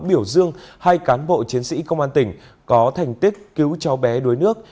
biểu dương hai cán bộ chiến sĩ công an tỉnh có thành tích cứu cháu bé đuối nước